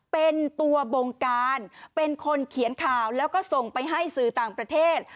เป็นตัวบงการเป็นคนเขียนข่าวแล้วก็ส่งไปให้สื่อต่างประเทศ